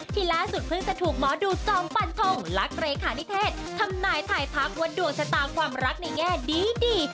ที่ล่าสุดเพิ่งจะถูกหมอดูจอมปันทงรักเลขานิเทศทำนายถ่ายทักว่าดวงชะตาความรักในแง่ดี